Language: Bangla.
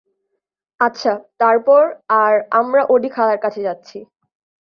আচ্ছা, তারপর, আর আমরা ওডি খালার কাছে যাচ্ছি।